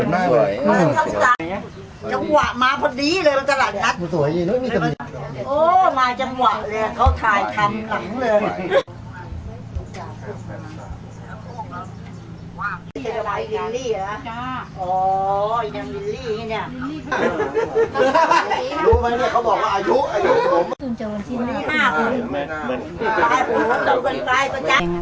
รู้ไหมเนี่ยเขาบอกว่าอายุ